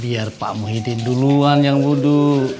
biar pak muhyiddin duluan yang duduk